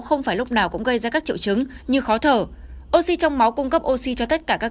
không phải lúc nào cũng gây ra các triệu chứng như khó thở oxy trong máu cung cấp oxy cho tất cả các